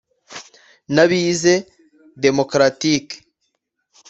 N abize d mocratiques